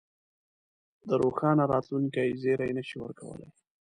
د روښانه راتلونکې زېری نه شي ورکولای.